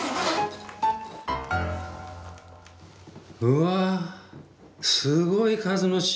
うわすごい数の塩！